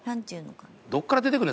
どこから出てくるねん？